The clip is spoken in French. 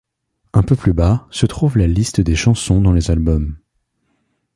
Un peu plus bas se trouve la liste des chansons dans les albums.